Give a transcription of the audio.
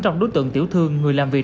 trong đối tượng tiểu thương người làm việc